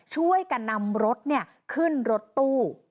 ช่วยกันนำรถขึ้นรถตู้